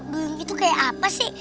beling itu kayak apa sih